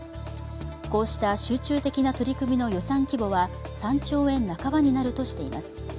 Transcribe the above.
こうした集中的な取り組みの予算規模は３兆円半ばになるとしています。